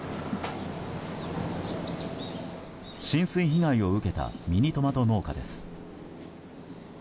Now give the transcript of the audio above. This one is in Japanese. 浸水被害を受けたミニトマト農家です。